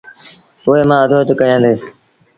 اُئي مآݩ اڌو اڌ ڪيآݩدي